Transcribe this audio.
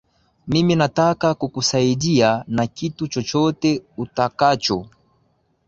Mimi nataka kukusaidia na kitu chochote utakacho.